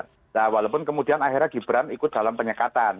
nah walaupun kemudian akhirnya gibran ikut dalam penyekatan